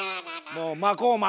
もう巻こう巻